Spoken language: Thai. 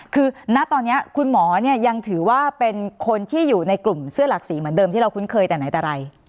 คือณตอนนี้คุณหมอเนี่ยยังถือว่าเป็นคนที่อยู่ในกลุ่มเสื้อหลักสีเหมือนเดิมที่เราคุ้นเคยแต่ไหนแต่ไร